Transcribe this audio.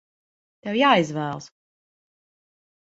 Tev jāizvēlas!